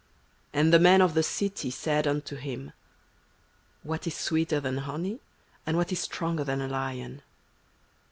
. And the men of the city said unto him, What is sweeter than honey T and what is stronger than a lion?